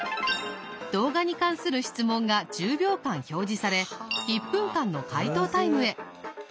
動画に関する質問が１０秒間表示され１分間の解答タイムへ。